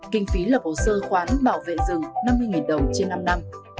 kinh phí lập hồ sơ khoán bảo vệ rừng năm mươi đồng trên năm năm